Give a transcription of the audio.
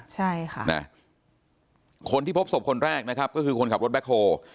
ใช่ค่ะนะคนที่พบศพคนแรกนะครับก็คือคนขับรถแบ็คโฮ